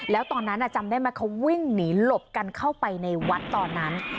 แล้วตอนนั้นจำได้ไหมเขาวิ่งหนีหลบกันเข้าไปในวัดตอนนั้น